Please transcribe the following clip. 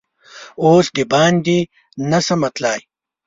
اوس دباندې نه شمه تللا ی